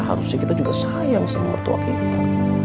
harusnya kita juga sayang sama mertua kita